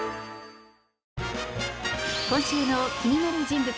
今週の気になる人物